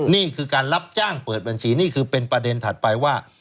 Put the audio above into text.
นี่คือการรับจ้างเปิดบัญชีนี่คือเป็นประเด็นถัดไปว่า